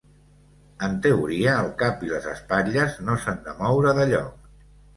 En teoria, el cap i les espatlles no s'han de moure de lloc.